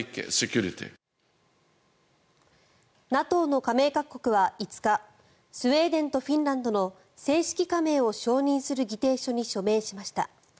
ＮＡＴＯの加盟各国は５日スウェーデンとフィンランドの正式加盟を承認する議定書に署名しました。